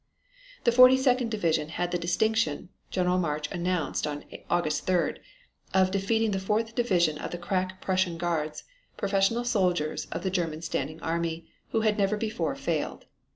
The 42d Division had the distinction, General March announced on August 3d, of defeating the 4th Division of the crack Prussian Guards, professional soldiers of the German standing army, who had never before failed.